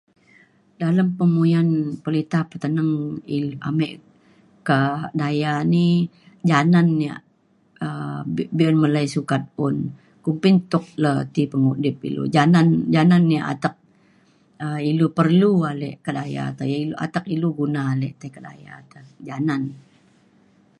dalem pemuyan perinta peteneng il- ame kadaya ni janan ia’ um be be’un melai sukat un kumbin tuk le ti pengudip ilu janan ja nan ia’ atek um ilu perlu ale kedaya te ia’ atek ilu guna ale tei ka daya te janan